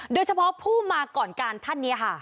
โดยเฉพาะผู้มาก่อนการท่านเนี่ยค่ะแว่นดำ